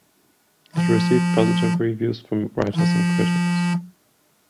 It received positive reviews from writers and critics.